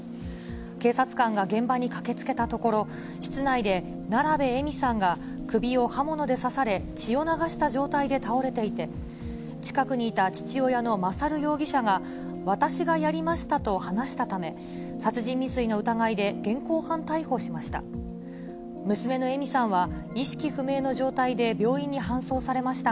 警察官が現場に駆けつけたところ、室内で奈良部枝美さんが首を刃物で刺され、血を流した状態で倒れていて、近くにいた父親の勝容疑者が、私がやりましたと話したため、殺人未遂の疑いで現行犯逮捕しました。